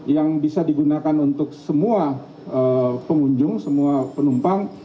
yang bisa digunakan untuk semua pengunjung semua penumpang